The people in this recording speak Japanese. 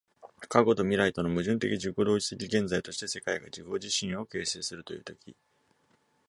過去と未来との矛盾的自己同一的現在として、世界が自己自身を形成するという時